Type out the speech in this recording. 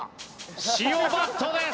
塩バットです。